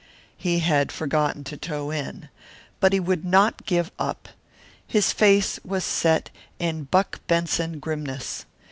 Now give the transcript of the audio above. He had forgotten to toe in. But he would not give up. His face was set in Buck Benson grimness.